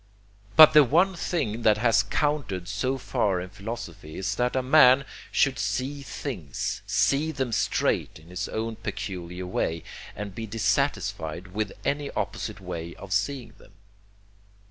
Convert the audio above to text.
But the one thing that has COUNTED so far in philosophy is that a man should see things, see them straight in his own peculiar way, and be dissatisfied with any opposite way of seeing them.